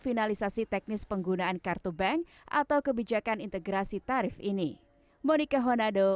finalisasi teknis penggunaan kartu bank atau kebijakan integrasi tarif ini monika honado